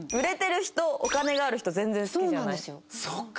そっか。